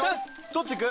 どっち行く？